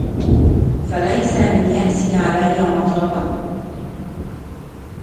فليسَ من يأسى على مطلبٍ